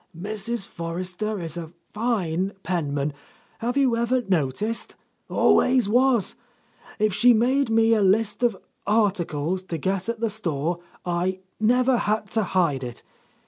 "Mrs. Forrester is a fine penman; have you ever noticed? Always was. If she made me a list of articles to get at the store, I never had to hide it.